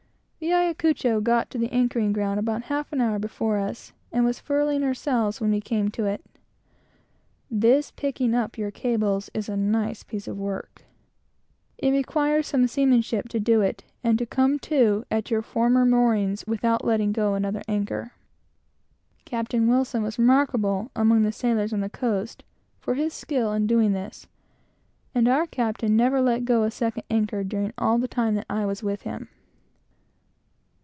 The Ayacucho got to the anchoring ground about half an hour before us, and was furling her sails when we came up to it. This picking up your cables is a very nice piece of work. It requires some seamanship to do it, and come to at your former moorings, without letting go another anchor. Captain Wilson was remarkable, among the sailors on the coast, for his skill in doing this; and our captain never let go a second anchor during all the time that I was with him.